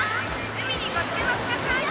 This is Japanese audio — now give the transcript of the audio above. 海にご注目ください。